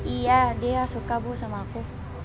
iya dia suka bu sama aku